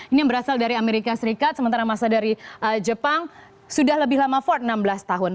ini yang berasal dari amerika serikat sementara masa dari jepang sudah lebih lama ford enam belas tahun